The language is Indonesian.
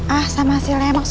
ah sama si lemos